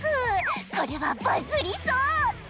これはバズりそう！